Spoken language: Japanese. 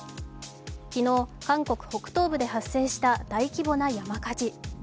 昨日、韓国北東部で発生した大規模な山火事。